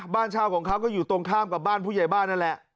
บ้านเช่าของเขาก็อยู่ตรงข้ามกับบ้านผู้ใหญ่บ้านนั่นแหละ